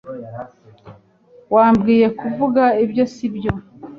Wabwiye kuvuga ibyo sibyo